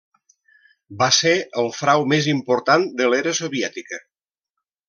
Va ser el frau més important de l'era soviètica.